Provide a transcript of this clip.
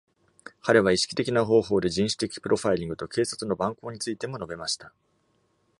彼は、意識的な方法で人種的プロファイリングと警察の蛮行についても述べまし i た。